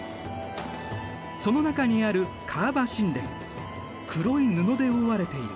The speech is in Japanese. その中にある黒い布で覆われている。